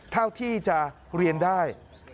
เท่าที่จะเรียนได้